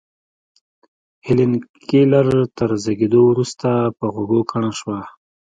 هېلېن کېلر تر زېږېدو وروسته پر غوږو کڼه شوه.